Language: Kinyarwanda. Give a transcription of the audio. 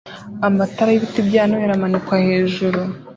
amatara y'ibiti bya Noheri amanikwa hejuru